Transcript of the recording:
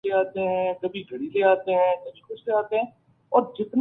Agency سے وضاحت مانگی جا رہی ہے۔